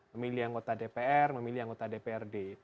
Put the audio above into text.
memilih anggota dpr memilih anggota dprd